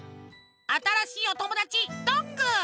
あたらしいおともだちどんぐー。